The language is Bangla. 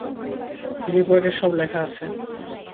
রিপোর্টে সব লেখা আছে।